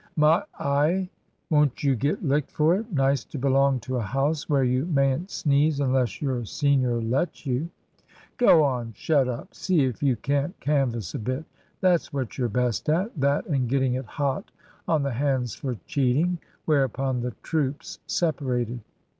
"My eye, won't you get licked for it! Nice to belong to a house where you mayn't sneeze unless your senior lets you." "Go on! Shut up! See if you can't canvass a bit. That's what you're best at that, and getting it hot on the hands for cheating." Whereupon the troops separated.